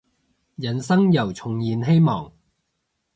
人生又重燃希望